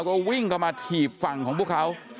ก็วิ่งเข้ามาถีบฝั่งของพวกเขา